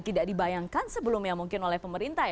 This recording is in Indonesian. tidak dibayangkan sebelumnya mungkin oleh pemerintah